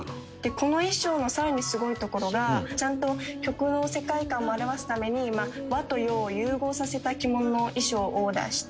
「この衣装の更にすごいところがちゃんと曲の世界観も表すために和と洋を融合させた着物衣装をオーダーして」